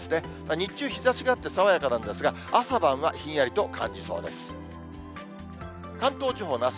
日中日ざしがあって、爽やかなんですが、朝晩はひんやりと感じそうです。